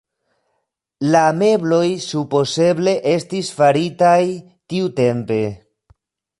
La mebloj supozeble estis faritaj tiutempe.